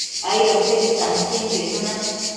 aidotedi tantienquio icnuna